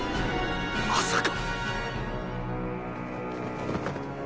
まさか！